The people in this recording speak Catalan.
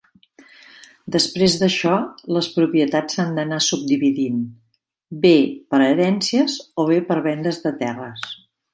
Després d'això, les propietats s'han anat subdividint bé per herències o bé per vendes de terres.